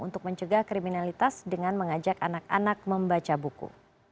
untuk mencegah kriminalitas dengan mengajak anak anak membaca buku